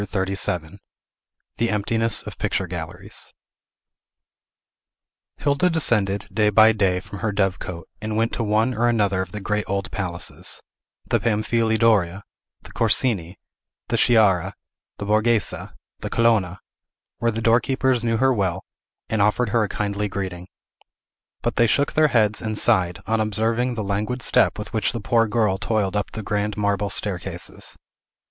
CHAPTER XXXVII THE EMPTINESS OF PICTURE GALLERIES Hilda descended, day by day, from her dove cote, and went to one or another of the great old palaces, the Pamfili Doria, the Corsini, the Sciarra, the Borghese, the Colonna, where the doorkeepers knew her well, and offered her a kindly greeting. But they shook their heads and sighed, on observing the languid step with which the poor girl toiled up the grand marble staircases.